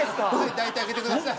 抱いてあげてください。